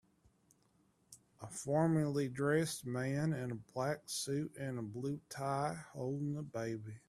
A formally dressed man in a black suit and blue tie holding a baby.